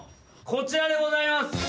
こちらでございます！